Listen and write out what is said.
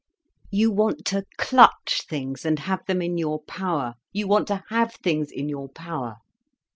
You want to clutch things and have them in your power. You want to have things in your power.